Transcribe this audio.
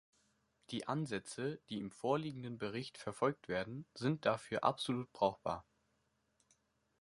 Die Ansätze, die im vorliegenden Bericht verfolgt werden, sind dafür absolut brauchbar.